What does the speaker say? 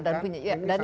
dan ini memang